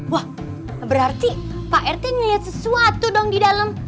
wah berarti pak rt ngeliat sesuatu dong di dalam